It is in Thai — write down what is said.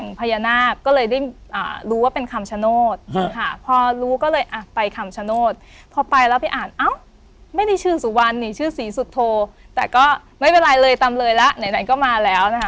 ไม่เป็นไรเลยตามเลยล่ะไหนก็มาแล้วนะฮะ